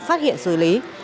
phát hiện xử lý